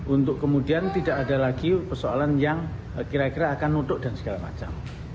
untuk kemudian tidak ada lagi persoalan yang kira kira akan nutuk dan segala macam